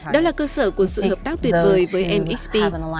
đó là cơ sở của sự hợp tác tuyệt vời với mxp